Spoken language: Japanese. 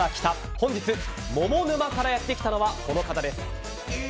本日モモ沼からやってきたのはこの方です！